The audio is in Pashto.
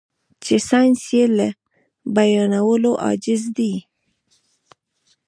چې ساينس يې له بيانولو عاجز دی.